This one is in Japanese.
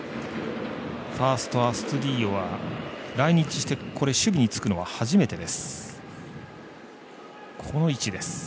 ファーストアストゥディーヨは来日して守備につくのは初めてです。